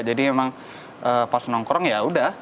jadi emang pas nongkrong yaudah